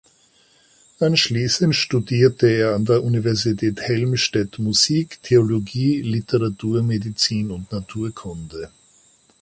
Anschließend studierte er an der Universität Helmstedt Musik, Theologie, Literatur, Medizin und Naturkunde.